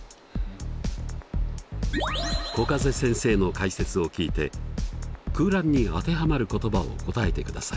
小風先生の解説を聞いて空欄に当てはまる言葉を答えてください。